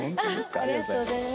ありがとうございます。